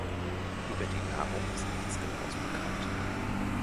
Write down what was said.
Über die Nahrung ist nichts Genaues bekannt.